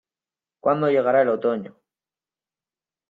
¿Cuando llegará el otoño?